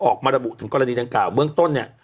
ออกมาระบุถึงกรณีดังกล่าวเบื้องต้นเนี่ย